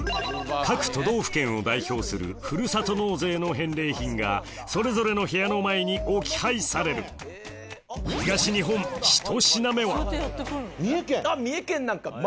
各都道府県を代表するふるさと納税の返礼品がそれぞれの部屋の前に置き配される三重県。